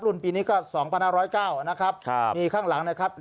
รุ่นปีนี้ก็สองพนธุ์ร้อยเก้านะครับครับมีข้างหลังนะครับ